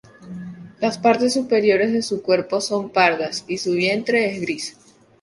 Las partes superiores de su cuerpo son pardas y su vientre es gris.